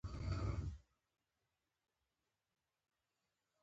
کپتانان د ټاس پرېکړه کوي، چي بيټینګ کوي؛ که بالینګ.